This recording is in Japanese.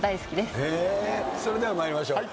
それでは参りましょう。